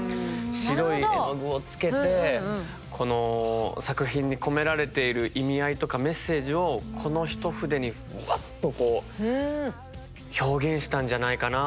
白い絵の具をつけてこの作品に込められている意味合いとかメッセージをこの一筆にワッとこう表現したんじゃないかなと思って。